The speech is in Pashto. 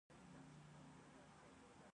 د ایران خلک میړني دي.